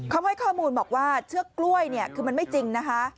เขาให้ข้อมูลบอกว่าเชือกกล้วยเนี่ยคือมันไม่จริงนะคะ